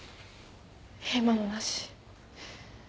今のなし。